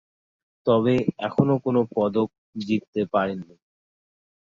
তবে এখনো কোন পদক জিততে পারেনি।